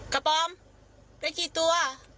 กระป๋อมได้กี่ตัว